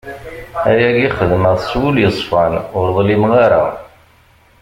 Ayagi xedmeɣ-t s wul yeṣfan, ur ḍlimeɣ ara!